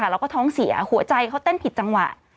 แล้วก็ท้องเสียหัวใจเขาเต้นผิดจังหวะ